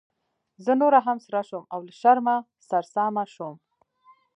زه نوره هم سره شوم او له شرمه سرسامه شوم.